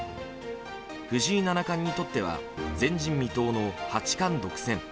藤井七冠にとっては前人未到の八冠独占。